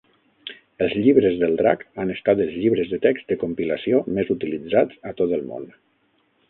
Els llibres del drac han estat els llibres de text de compilació més utilitzats a tot el món.